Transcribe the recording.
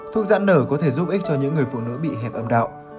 thuốc giãn nở có thể giúp ích cho những người phụ nữ bị hẹp âm đạo